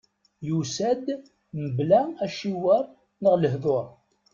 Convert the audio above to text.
Yusa-d mebla aciwer neɣ lehdur.